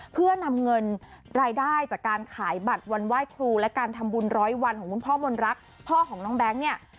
เพื่อนำเงินรายได้จากการขายบัตรวันไหว้ครูและการทำบุญร้อยวันของคุณพ่อมนรักพ่อของน้องแบงค์เนี่ย